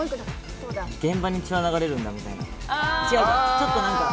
現場に血は流れるんだみたいな。